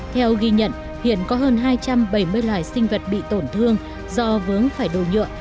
theo ghi nhận hiện có hơn hai trăm bảy mươi loài sinh vật bị tổn thương do vướng phải đồ nhựa